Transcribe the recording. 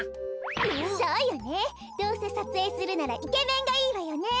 そうよねどうせさつえいするならイケメンがいいわよね。